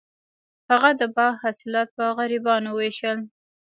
هغه د باغ حاصلات په غریبانو ویشل.